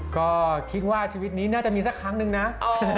ก็คิดว่าชีวิตนี้น่าจะมีสักครั้งนึงนะ